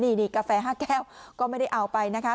นี่กาแฟ๕แก้วก็ไม่ได้เอาไปนะคะ